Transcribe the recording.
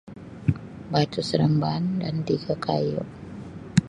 Batu seremban dan tiga kayu.